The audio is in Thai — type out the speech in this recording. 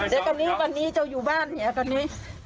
แต่คราวนี้กรณหนี้เจ้าอยู่บ้านอีเหียกรรณนี้